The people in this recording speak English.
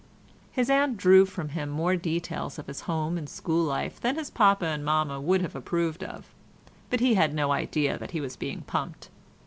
His aunt drew from him more details of his home and school life than his papa and mamma would have approved of, but he had no idea that he was being pumped.